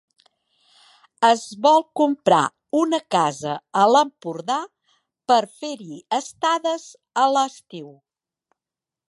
Es vol comprar una casa a l'Empordà per fer-hi estades a l'estiu.